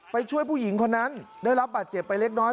ช่วยผู้หญิงคนนั้นได้รับบาดเจ็บไปเล็กน้อย